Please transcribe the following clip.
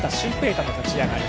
大の立ち上がり。